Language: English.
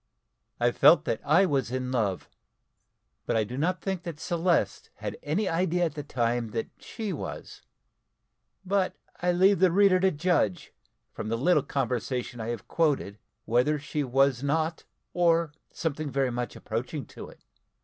I felt that I was in love, but I do not think that Celeste had any idea at the time that she was but I leave the reader to judge, from the little conversation I have quoted, wether she was not, or something very much approaching to it.